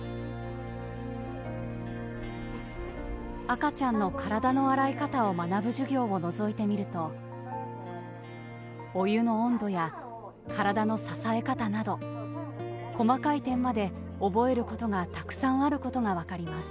赤ちゃんの体の洗い方を学ぶ授業をのぞいてみるとお湯の温度や体の支え方など細かい点まで覚えることがたくさんあることがわかります。